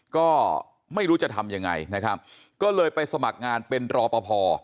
ก็ไม่รู้จะทำยังไงนะครับก็เลยไปสมัครงานเป็นรอปภ